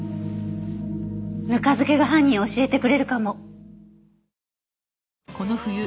ぬか漬けが犯人を教えてくれるかも。